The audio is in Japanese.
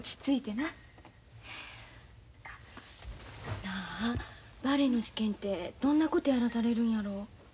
なあバレエの試験てどんなことやらされるんやろ。